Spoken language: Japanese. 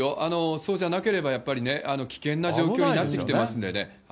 そうじゃなければやっぱりね、危険な状況になってきてますんでね。